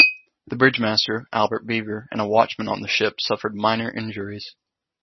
The bridge master, Albert Beaver, and a watchman on the ship suffered minor injuries.